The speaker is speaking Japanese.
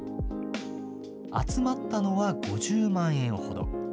集まったのは５０万円ほど。